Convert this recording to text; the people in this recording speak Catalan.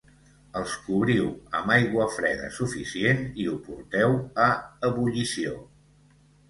els cobriu amb aigua freda suficient i ho porteu a ebullició